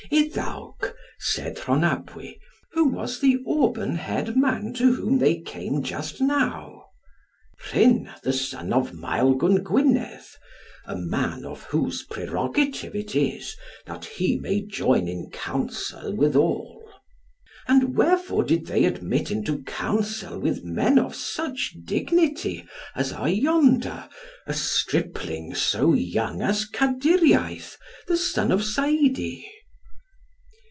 "Iddawc," said Rhonabwy, "who was the auburn haired man to whom they came just now?" "Rhun the son of Maelgwn Gwynedd, a man of whose prerogative it is, that he may join in counsel with all." {125f} "And wherefore did they admit into counsel with men of such dignity as are yonder a stripling so young as Kadyriaith the son of Saidi?"